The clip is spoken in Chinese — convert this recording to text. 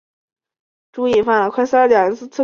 觉罗长麟乙未科进士。